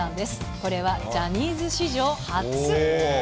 これはジャニーズ史上初。